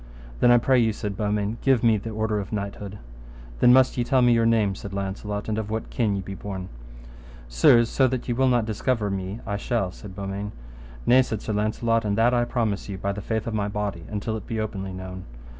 Then, I pray you, said Beaumains, give me the order of knighthood. Then must ye tell me your name, said Launcelot, and of what kin ye be born. Sir, so that ye will not discover me I shall, said Beaumains. Nay, said Sir Launcelot, and that I promise you by the faith of my body, until it be openly known.